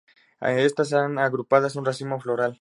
Están agrupadas en un racimo floral.